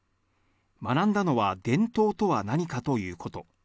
学んだのは伝統とは何かということ。